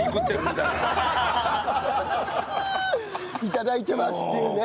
頂いてますっていうね。